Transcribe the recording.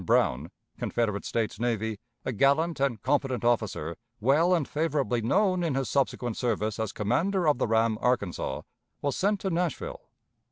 Brown, Confederate States Navy, a gallant and competent officer, well and favorably known in his subsequent service as commander of the ram Arkansas, was sent to Nashville.